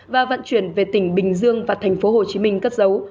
và vận chuyển về tỉnh bình dương và tp hcm cất dấu